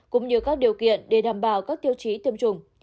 cũng như các điều kiện để đảm bảo các tiêu chí tiêm chủng